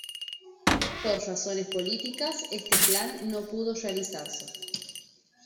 Por razones políticas, este plan no pudo realizarse.